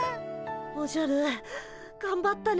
おじゃるがんばったね。